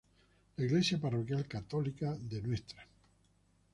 La iglesia parroquial católica de Ntra.